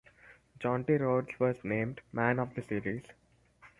Jonty Rhodes was named "man of the series".